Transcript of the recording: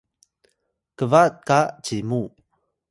kba ka cimu